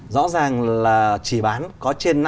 rõ ràng là chỉ bán có trên năm mươi